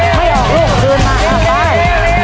ไม่ออกรูปคืนมาแล้วไป